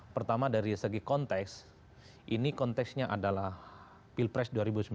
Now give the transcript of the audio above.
pertama dari segi konteks ini konteksnya adalah pilpres dua ribu sembilan belas